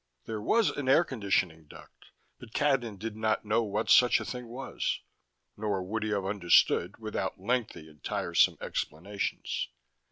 There was an air conditioning duct, but Cadnan did not know what such a thing was, nor would he have understood without lengthy and tiresome explanations.